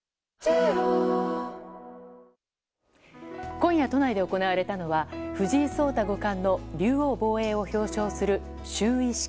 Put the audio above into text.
今夜、都内で行われたのは藤井聡太五冠の竜王防衛を表彰する就位式。